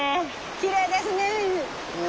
きれいですね川。